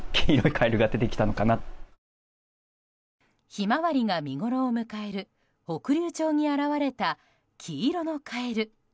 ヒマワリが見ごろを迎える北竜町に現れた黄色のカエル。